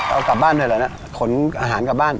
เอากลับบ้านเถอะนะขนอาหารกลับบ้าน